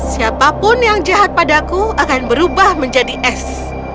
siapapun yang jahat padaku akan berubah menjadi es